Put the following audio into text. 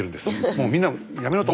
もうみんなやめろと。